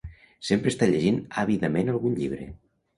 Sempre està llegint àvidament algun llibre.